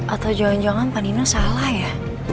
atau jangan jangan panino salah ya